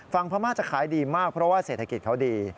พม่าจะขายดีมากเพราะว่าเศรษฐกิจเขาดี